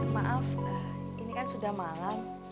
maaf ini kan sudah malam